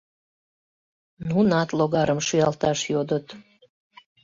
Нунат логарым шӱалташ йодыт.